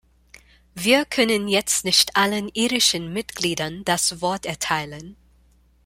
Wir können jetzt nicht allen irischen Mitgliedern das Wort erteilen.